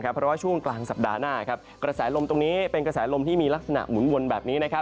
เพราะว่าช่วงกลางสัปดาห์หน้ากระแสลมตรงนี้เป็นกระแสลมที่มีลักษณะหมุนวนแบบนี้